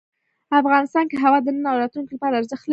افغانستان کې هوا د نن او راتلونکي لپاره ارزښت لري.